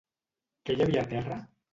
Què hi havia a terra?